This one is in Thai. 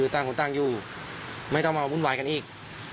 ต่างคนต่างอยู่ไม่ต้องมาวุ่นวายกันอีก